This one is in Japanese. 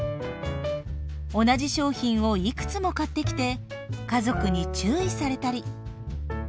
同じ商品をいくつも買ってきて家族に注意されたり。